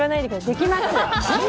できます。